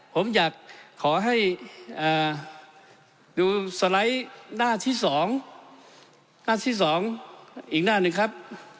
ผมอยากขอให้ดูสไลด์หน้าที่๒หน้าที่๒อีกหน้าหนึ่งครับ